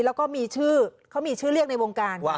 แล้วก็มีชื่อเขามีชื่อเรียกในวงการ